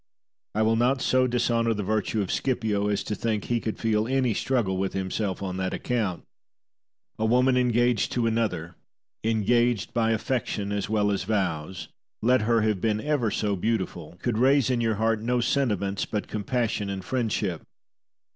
I will not so dishonour the virtue of Scipio as to think he could feel any struggle with himself on that account. A woman engaged to another engaged by affection as well as vows, let her have been ever so beautiful could raise in your heart no sentiments but compassion and friendship.